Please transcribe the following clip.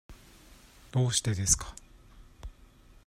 どうしてですか。